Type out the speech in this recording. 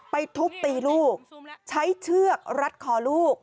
ทุบตีลูกใช้เชือกรัดคอลูก